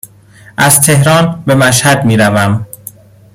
از تهران به مشهد می روم